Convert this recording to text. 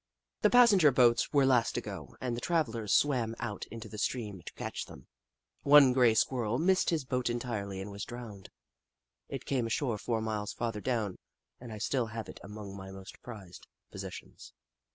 The passenger boats were last to go, and the travellers swam out into the stream to catch them. One grey Squirrel missed his boat entirely and was drowned. It came ashore four miles farther down and I still have it among my most prized possessions.